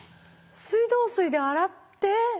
水道水で洗って？